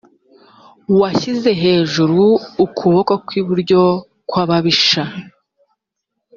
washyize hejuru ukuboko kw’iburyo kw’ababisha